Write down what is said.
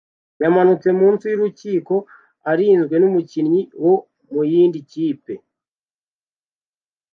yamanutse munsi yurukiko arinzwe numukinnyi wo muyindi kipe